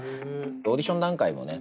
オーディション段階でもね